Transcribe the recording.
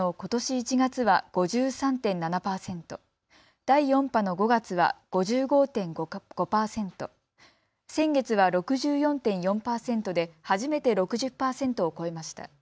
１月は５３．７％、第４波の５月は５５．５％、先月は６４．４％で初めて６０％を超えました。